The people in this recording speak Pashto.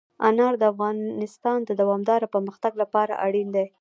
انار د افغانستان د دوامداره پرمختګ لپاره اړین دي.